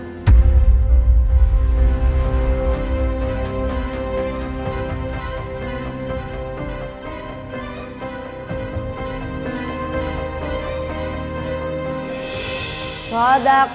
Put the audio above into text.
jadi apakah anda siap clichy